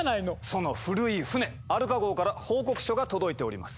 その古い船アルカ号から報告書が届いております。